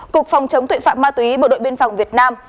cục phòng chống tội phạm ma túy bộ đội biên phòng việt nam